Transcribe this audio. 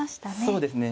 そうですね。